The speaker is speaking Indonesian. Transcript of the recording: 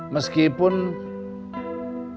meskipun saya masih lelah